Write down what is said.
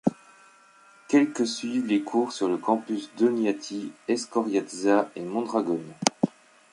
Quelque suivent les cours sur les campus d'Oñati, Eskoriatza et Mondragón.